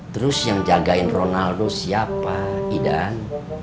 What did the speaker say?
terus yang jagain ronaldo siapa idan